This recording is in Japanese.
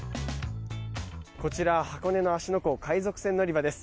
こちら、箱根の芦ノ湖海賊船乗り場です。